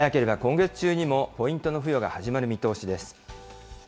早ければ、今月中にもポイントの付与が始まる見通しです。